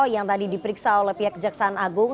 yang tadi diperiksa oleh pihak kejaksaan agung